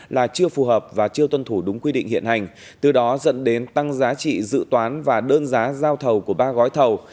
là chưa phù hợp và chưa tuân thủ đúng quy định hiện hành từ đó dẫn đến tăng giá trị dự toán và đơn giá giao thầu của ba gói thầu